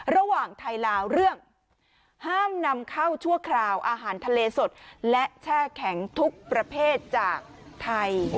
ระหว่างไทยลาวเรื่องห้ามนำเข้าชั่วคราวอาหารทะเลสดและแช่แข็งทุกประเภทจากไทย